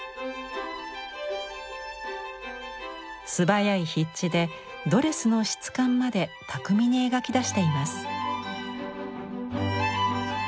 素早い筆致でドレスの質感まで巧みに描き出しています。